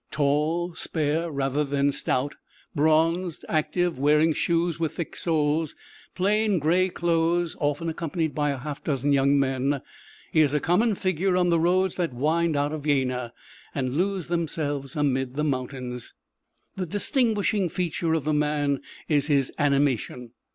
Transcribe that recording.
Tall, spare rather than stout, bronzed, active, wearing shoes with thick soles, plain gray clothes, often accompanied by a half dozen young men, he is a common figure on the roads that wind out of Jena, and lose themselves amid the mountains. The distinguishing feature of the man is his animation.